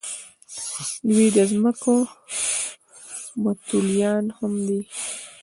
دوی د ځمکو متولیان هم دي.